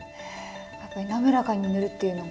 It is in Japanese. やっぱり滑らかに塗るっていうのが。